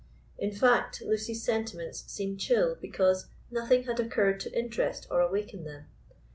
In fact, Lucy's sentiments seemed chill because nothing had occurred to interest or awaken them.